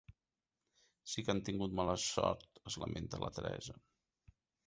Si que han tingut mala sort, es lamenta la Teresa.